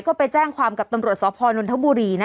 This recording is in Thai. ก็ไปแจ้งความกับตำรวจสพนนทบุรีนะ